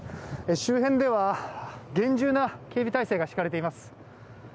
周辺では厳重な警備態勢が敷かれています。